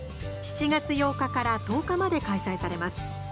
７月８日から１０日まで開催されます。